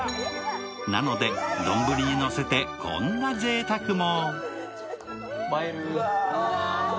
なので、丼にのせて、こんなぜいたくも。